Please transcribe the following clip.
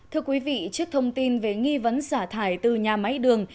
thưa quý vị trước thông tin về nghi vấn xả thải từ nhà máy đường